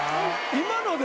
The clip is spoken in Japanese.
今ので？